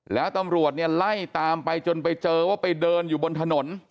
แล้วตำรวจเนี่ยไล่ตามไปจนไปเจอว่าไปเดินอยู่บนถนน